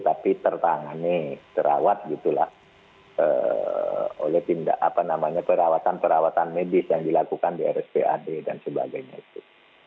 tapi tertangani terawat gitu lah oleh tindak apa namanya perawatan perawatan medis yang dilakukan di rspad dan sebagainya itu